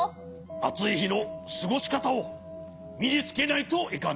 あついひのすごしかたをみにつけないといかんぞ！